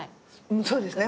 そうですね。